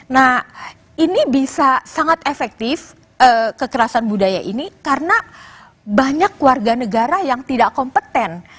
nah ini bisa sangat efektif kekerasan budaya ini karena banyak warga negara yang tidak kompeten